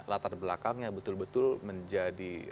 latar belakangnya betul betul menjadi